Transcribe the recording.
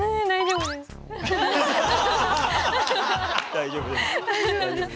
大丈夫です。